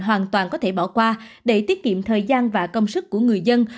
hoàn toàn có thể bỏ qua để tiết kiệm thời gian và công sức của người dân